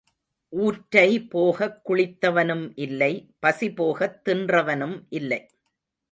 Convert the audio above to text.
ஊற்றை போகக் குளித்தவனும் இல்லை பசி போகத் தின்றவனும் இல்லை.